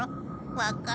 わかる？